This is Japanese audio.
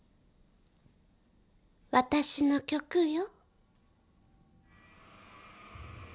私の曲よ。